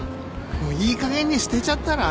もういいかげんに捨てちゃったら？